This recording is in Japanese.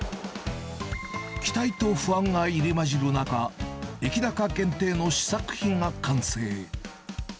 期待と不安が入り混じる中、エキナカ限定の試作品が完成。